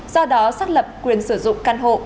do đó xác lập quyền sử dụng căn hộ